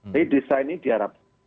jadi desain ini diharap